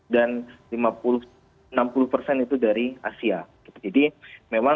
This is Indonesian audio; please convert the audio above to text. dan enam puluh itu dari asia